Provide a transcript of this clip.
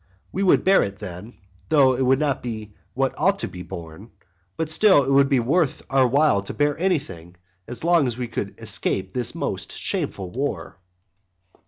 We would bear it then, though it would not be what ought to be borne, but still it would be worth our while to bear anything, as long as we could escape this most shameful war.